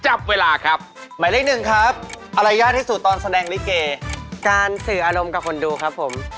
ช่วงประมาณ๒ทุ่มถึงเที่ยงคืนครับผม